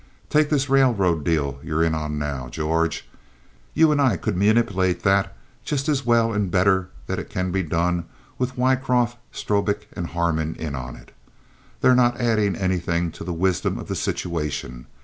Take this railroad deal you're in on now, George; you and I could manipulate that just as well and better than it can be done with Wycroft, Strobik, and Harmon in on it. They're not adding anything to the wisdom of the situation.